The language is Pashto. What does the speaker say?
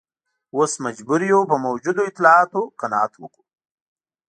اوس مجبور یو په موجودو اطلاعاتو قناعت وکړو.